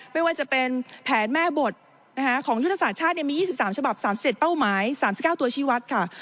ไม่ว่าจะเป็นแผนแม่บทของยุทธศาสตร์ชาติมี๒๓ฉบับ๓๗เป้าหมาย๓๙ตัวชีวัตรค่ะ